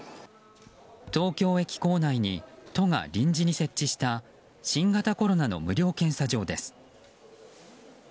東京駅構内に都が臨時に設置した新型コロナの無料検査場です。